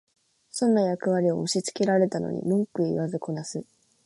損な役割を押しつけられたのに文句言わずこなす